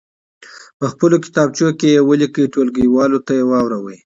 په خپلو کتابچو کې یې ولیکئ ټولګیوالو ته واوروئ.